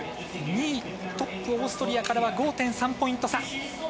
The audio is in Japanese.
２位、トップオーストリアからは５．３ポイント差。